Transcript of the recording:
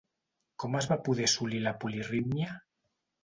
Com es va poder assolir la polirítmia?